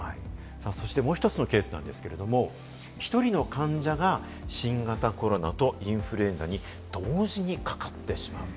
そしてもう１つのケースは１人の患者が新型コロナとインフルエンザに同時にかかってしまうと。